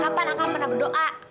kapan aku pernah berdoa